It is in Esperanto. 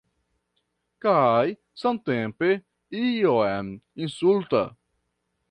Kaj samtempe iom insulta...